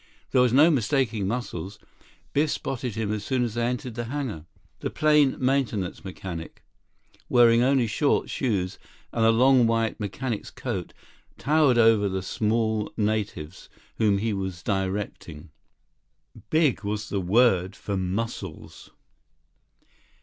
There was no mistaking Muscles. Biff spotted him as soon as they entered the hangar. The plane maintenance mechanic, wearing only shorts, shoes, and a long white mechanic's coat, towered over the small natives whom he was directing. Big was the word for Muscles.